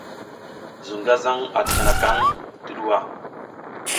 Zuŋ gazaŋ a tikinakaŋ ti ɗuwa.